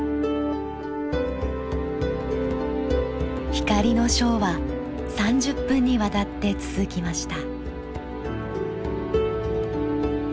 光のショーは３０分にわたって続きました。